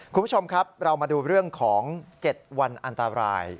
คุณผู้ชมครับเรามาดูเรื่องของ๗วันอันตราย